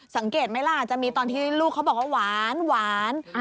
สังเกตไหมล่ะจะมีตอนที่ลูกเขาบอกว่าหวาน